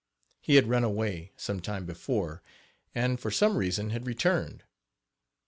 He had run away, some time before, and, for some reason, had returned.